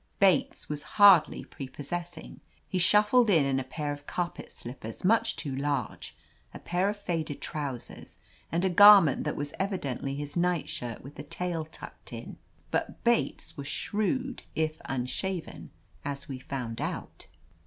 Bates was hardly prepossessing. He shuf fled in in a pair of carpet slippers much too large, a pair of faded trousers, and a garment that was evidently his nightshirt with the tail tucked in. But Bates was shrewd if imshaven, as we found out.